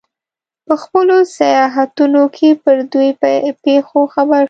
په خپلو سیاحتونو کې پر دې پېښو خبر شو.